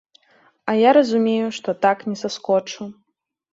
А я разумею, што так не саскочу.